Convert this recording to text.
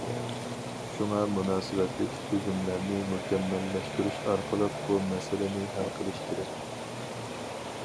شۇڭا مۇناسىۋەتلىك تۈزۈملەرنى مۇكەممەللەشتۈرۈش ئارقىلىق، بۇ مەسىلىنى ھەل قىلىش كېرەك.